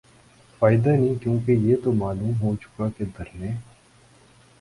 فائدہ نہیں کیونکہ یہ تو معلوم ہوچکا کہ دھرنے